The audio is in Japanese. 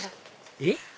えっ？